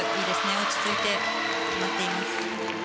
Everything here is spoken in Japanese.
落ち着いて決まっています。